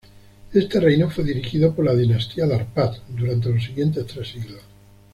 Este reino fue dirigido por la dinastía de Árpád durante los siguientes tres siglos.